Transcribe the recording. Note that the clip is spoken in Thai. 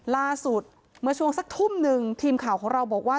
ล่าสุดเมื่อช่วงสักทุ่มหนึ่งทีมข่าวของเราบอกว่า